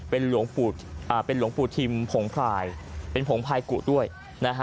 เป็นหลวงปู่เป็นหลวงปู่ทิมผงพลายเป็นผงพายกุด้วยนะฮะ